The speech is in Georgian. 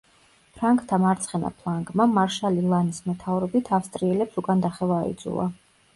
ფრანგთა მარცხენა ფლანგმა, მარშალი ლანის მეთაურობით ავსტრიელებს უკან დახევა აიძულა.